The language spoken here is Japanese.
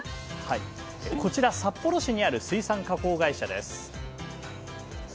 こちら札幌市にある水産加工会社です。